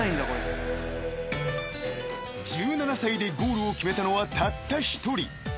［１７歳でゴールを決めたのはたった１人］